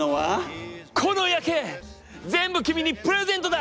この夜景全部君にプレゼントだ！